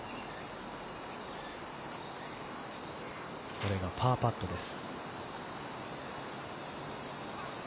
これがパーパットです。